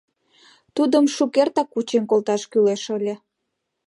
Тудым шукертак кучен колташ кӱлеш ыле.